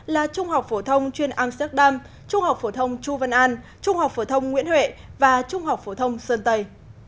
là trung học phổ thông chuyên amsterdam trung học phổ thông chu văn an trung học phổ thông nguyễn huệ và trung học phổ thông sơn tây